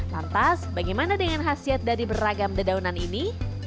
lantas bagaimana dengan khasiat dari beragam dedaunan ini